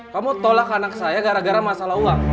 kamu tolak anak saya gara gara masalah uang